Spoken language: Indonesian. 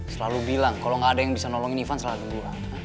selalu bilang kalau nggak ada yang bisa nolongin ivan selalu gue